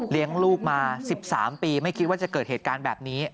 ลูกมา๑๓ปีไม่คิดว่าจะเกิดเหตุการณ์แบบนี้